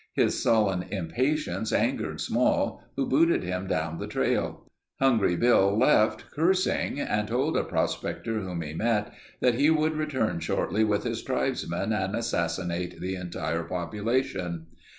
His sullen impatience angered Small who booted him down the trail. Hungry Bill left cursing and told a prospector whom he met that he would return shortly with his tribesmen and assassinate the entire population.